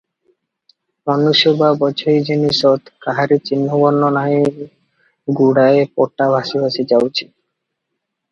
ମନୁଷ୍ୟ ବା ବୋଝାଇ ଜିନିଷ କାହାରି ଚିହ୍ନବର୍ଣ୍ଣ ନାହିଁ, ଗୁଡ଼ାଏ ପଟା ଭାସି ଭାସି ଯାଉଛି |